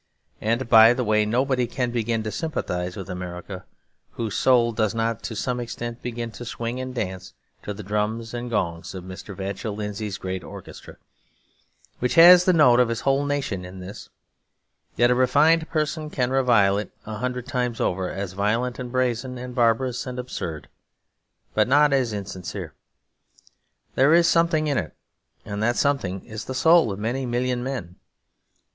And, by the way, nobody can begin to sympathise with America whose soul does not to some extent begin to swing and dance to the drums and gongs of Mr. Vachell Lindsay's great orchestra; which has the note of his whole nation in this: that a refined person can revile it a hundred times over as violent and brazen and barbarous and absurd, but not as insincere; there is something in it, and that something is the soul of many million men.